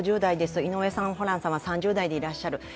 井上さん、ホランさんは３０代でいらっしゃる。